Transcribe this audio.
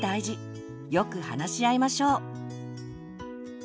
よく話し合いましょう。